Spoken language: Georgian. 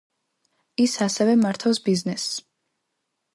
ის ასევე მართავს ბიზნესს.